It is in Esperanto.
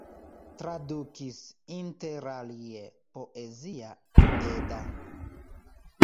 Tradukis interalie Poezia Edda.